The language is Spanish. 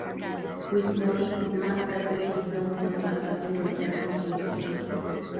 Whitmore más tarde dirigió un contraataque militar contra los extranjeros.